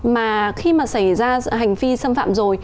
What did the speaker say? mà khi mà xảy ra hành vi xâm phạm rồi